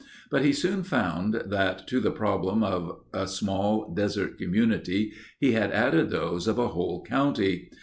But he soon found that to the problems of a small desert community he had added those of a whole county.